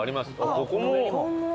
ここも。